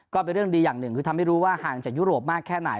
ก็เป็นเรื่องดีอย่างหนึ่งคือทำให้รู้ว่าห่างจากยุโรปมากแค่ไหน